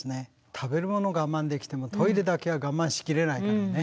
食べるもの我慢できてもトイレだけは我慢しきれないからね。